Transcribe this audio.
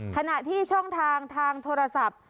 ขณะที่ช่องทางทางโทรศัพท์